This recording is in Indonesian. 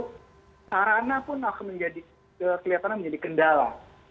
sarana pun akan menjadi kelihatan menjadi kendala